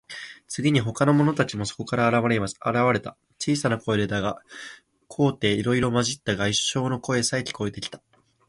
次に、ほかの者たちの顔もそこから現われた。小さい声でだが、高低いろいろまじった合唱の歌さえ、聞こえてきた。